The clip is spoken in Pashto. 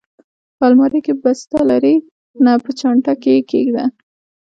په المارۍ کې، بسته لرې؟ نه، په چانټه کې یې کېږده.